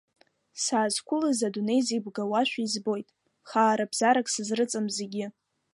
Саазқәылаз, адунеи зегь бгауашәа избоит, хаара-бзаарак сызрыҵам зегьы…